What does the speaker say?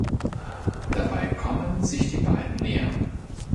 Dabei kommen sich die beiden näher.